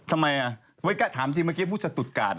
ทำไมอ่ะถามจริงเมื่อกี้พูดสตุ๊ดการ์ด